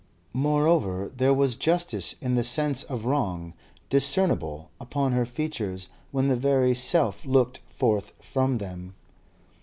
Moreover, there was justice in the sense of wrong discernible upon her features when the very self looked forth from them.